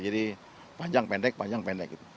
jadi panjang pendek panjang pendek